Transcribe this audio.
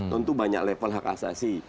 tentu banyak level hak asasi